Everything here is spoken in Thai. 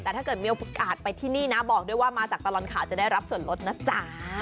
แต่ถ้าเกิดมีโอกาสไปที่นี่นะบอกด้วยว่ามาจากตลอดข่าวจะได้รับส่วนลดนะจ๊ะ